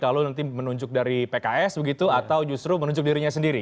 kalau nanti menunjuk dari pks begitu atau justru menunjuk dirinya sendiri